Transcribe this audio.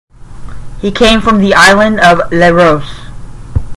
He came from the island of Leros.